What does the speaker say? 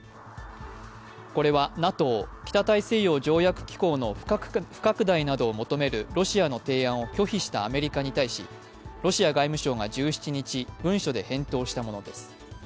これはＮＡＴＯ＝北大西洋条約機構の不拡大などを求めるロシアの提案を拒否したアメリカに対し、ロシア外務省が１７日、文書で返答したものです。